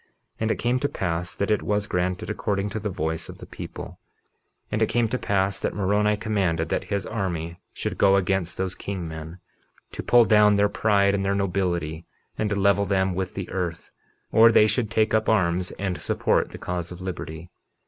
And it came to pass that it was granted according to the voice of the people. 51:17 And it came to pass that Moroni commanded that his army should go against those king men, to pull down their pride and their nobility and level them with the earth, or they should take up arms and support the cause of liberty.